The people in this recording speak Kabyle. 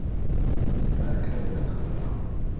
Akken ay lliɣ ttxemmimeɣ.